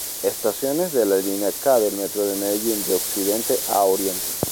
Estaciones de la Linea K del Metro de Medellín de occidente a oriente.